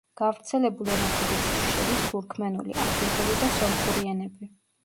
გავრცელებულ ენათა რიცხვში შედის თურქმენული, ადიღური და სომხური ენები.